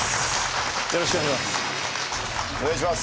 よろしくお願いします。